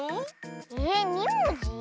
えっ２もじ？